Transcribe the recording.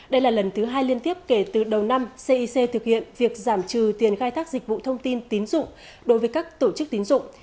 đây là lần thứ hai liên tiếp kể từ đầu năm cic thực hiện việc giảm trừ tiền khai thác dịch vụ thông tin tín dụng đối với các tổ chức tín dụng